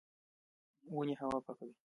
ونې هوا پاکوي